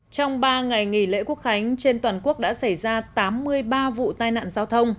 trong ba ngày nghỉ lễ quốc khánh trên toàn quốc đã xảy ra tám mươi ba vụ tai nạn giao thông